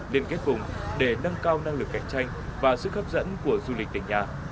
liên kết vùng để nâng cao năng lực cạnh tranh và sức hấp dẫn của du lịch tỉnh nhà